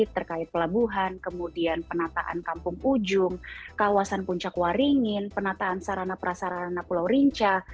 terkait pelabuhan kemudian penataan kampung ujung kawasan puncak waringin penataan sarana prasarana pulau rinca